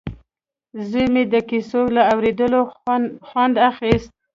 زوی مې د کیسو له اورېدو خوند اخیست